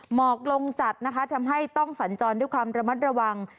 หมอกลงจัดนะคะทำให้ต้องสัญจรด้วยความระมัดระวัง